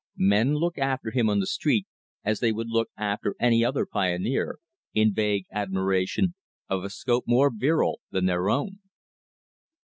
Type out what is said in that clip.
Men look after him on the street, as they would look after any other pioneer, in vague admiration of a scope more virile than their own.